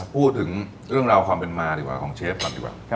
พูดถึงเรื่องราวความเป็นมาดีกว่าของเชฟก่อนดีกว่า